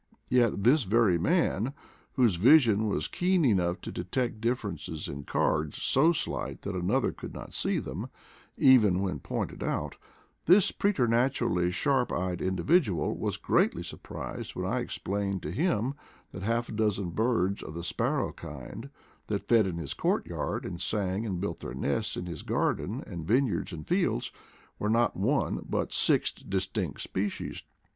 Yet this very man, whose vision was keen enough to detect differences in cards so slight that another could not see them, even when pointed out — this preternaturally sharp eyed individual was greatly surprised when I explained to him that half a dozen birds of the sparrow kind, that fed in his courtyard, and sang and built their nests in his garden and vineyard and fields, were not one but six distinct species.